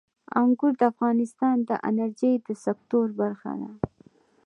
انګور د افغانستان د انرژۍ د سکتور برخه ده.